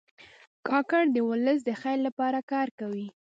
کاکړ د ولس د خیر لپاره کار کوي.